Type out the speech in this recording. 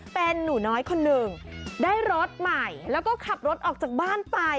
เป็นหนูน้อยคนหนึ่งได้รถใหม่แล้วก็ขับรถออกจากบ้านไป